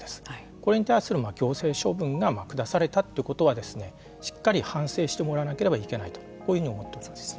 これに対する行政処分が下されたということはしっかり反省してもらわなければいけないとこういうふうに思っております。